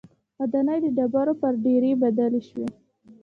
ودانۍ د ډبرو پر ډېرۍ بدلې شوې.